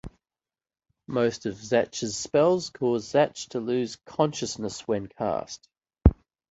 Most of Zatch's spells causes Zatch to lose consciousness when cast.